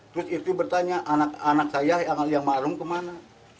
terus itu bertanya anak saya yang almarhum kemana